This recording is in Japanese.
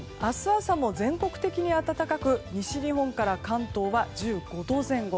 朝も全国的に暖かく西日本から関東は１５度前後。